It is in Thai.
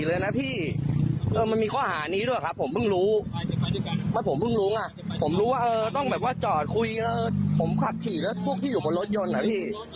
ข้อมมมอเตอร์ไซค์จอดอยู่บนรถมาคืนท่าโทรศัพท์เขาได้แต่ทุกคนจะมีออกรเกาะง